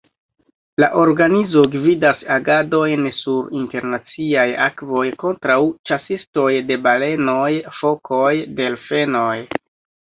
La organizo gvidas agadojn sur internaciaj akvoj kontraŭ ĉasistoj de balenoj, fokoj, delfenoj.